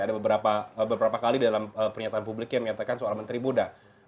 ada beberapa kali dalam pernyataan publik yang menyatakan soal menteri muda